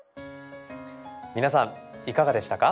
皆さんいかがでしたか？